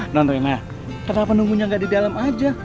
nondrena kenapa nunggunya gak di dalam aja